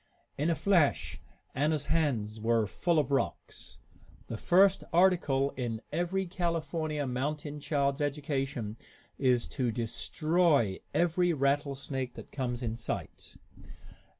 In a flash Anna's hands were full of rocks. The first article in every California mountain child's education is to destroy every rattlesnake that comes in sight.